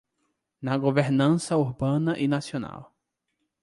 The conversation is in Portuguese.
Na governança urbana e nacional